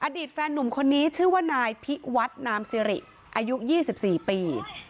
อดีตแฟนหนุ่มคนนี้ชื่อว่านายพิวัฒน์นามสิริอายุ๒๔ปี